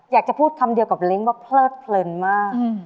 อยากจะพูดคำเดียวกับเล้งว่าเพลิดเพลินมาก